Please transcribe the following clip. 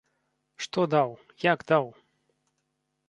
Што даў, як даў?